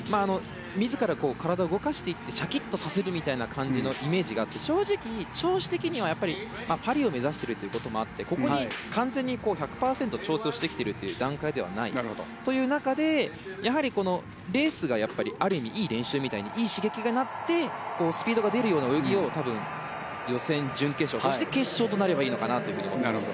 自ら体を動かしていってシャキッとさせるみたいなイメージがあって正直、調子的にはパリを目指しているというところもあってここに完全に１００％の調整をしてきているという段階ではないという中でやはり、レースがある意味、いい練習みたいにいい刺激になってスピードが出るような泳ぎを多分予選、準決勝そして決勝となればいいのかなと思ってます。